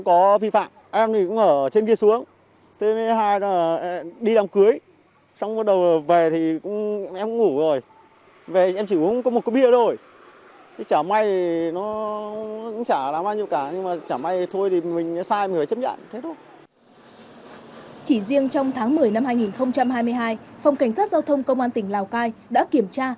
chỉ riêng trong tháng một mươi năm hai nghìn hai mươi hai phòng cảnh sát giao thông công an tỉnh lào cai đã kiểm tra